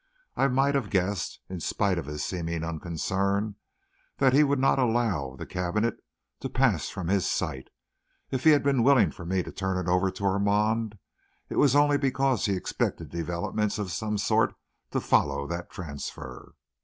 I might have guessed, in spite of his seeming unconcern, that he would not allow the cabinet to pass from his sight; if he had been willing for me to turn it over to Armand, it was only because he expected developments of some sort to follow that transfer.